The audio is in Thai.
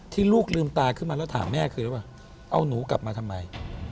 ที่ลูกลืมตาขึ้นมาแล้วถามแม่คือเอาหนูกลับมาทำไม